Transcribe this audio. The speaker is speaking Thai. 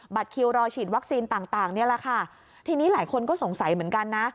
คิวรอฉีดวัคซีนต่างต่างนี่แหละค่ะทีนี้หลายคนก็สงสัยเหมือนกันนะ